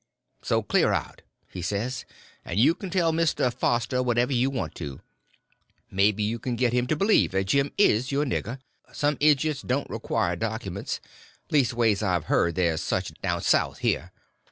"So clear out," he says; "and you can tell Mr. Foster whatever you want to. Maybe you can get him to believe that Jim is your nigger—some idiots don't require documents—leastways I've heard there's such down South here.